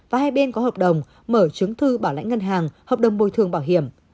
và hai bên có hợp đồng mở chứng thư bảo lãnh ngân hàng hợp đồng bồi thường bảo hiểm